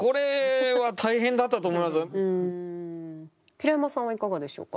平山さんはいかがでしょうか。